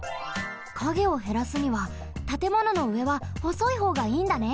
カゲをへらすにはたてもののうえはほそいほうがいいんだね。